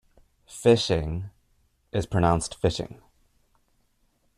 Phishing is pronounced fishing.